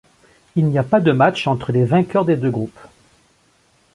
Il n'y a pas de match entre les vainqueurs des deux groupes.